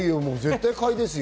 絶対買いですよ。